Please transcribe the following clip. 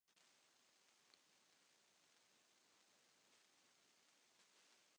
أيد الله أسعد الوزراء